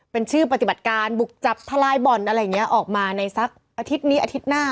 เป็นชื่อปฏิบัติการบุกจับทลายบ่อนอะไรอย่างนี้ออกมาในสักอาทิตย์นี้อาทิตย์หน้า